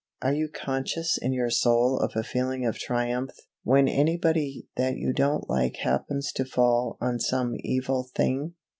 Are you conscious in your soul of a feeling of triumph when anybody that you don't like happens to fall on some evil thing?